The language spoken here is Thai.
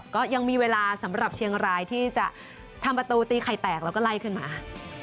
ก็ยังมีเวลาสำหรับเชียงรายที่จะทำประตูตีไข่แตกแล้วก็ไล่ขึ้นมา